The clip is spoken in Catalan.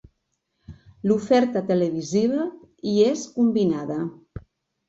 L'oferta televisiva hi és combinada.